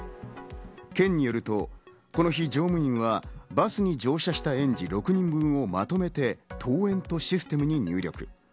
県によると、この日、乗務員はバスに乗車した園児６人分をまとめて登園とシステムに入力。